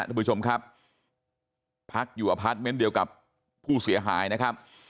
ทุกผู้ชมครับพักอยู่อพาร์ทเมนต์เดียวกับผู้เสียหายนะครับ